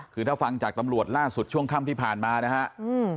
คือถ้าฟังจากตำรวจล่าสุดช่วงค่ำที่ผ่านมานะฮะอืม